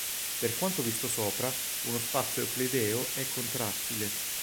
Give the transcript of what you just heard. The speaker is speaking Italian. Per quanto visto sopra, uno spazio euclideo è contrattile.